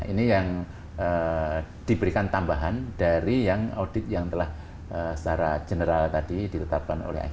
ini yang diberikan tambahan dari yang audit yang telah secara general tadi ditetapkan oleh icw